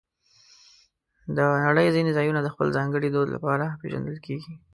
د نړۍ ځینې ځایونه د خپل ځانګړي دود لپاره پېژندل کېږي.